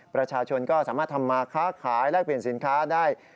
ประชาชนก็สามารถทำมาค้าขายแลกเปลี่ยนสินค้าได้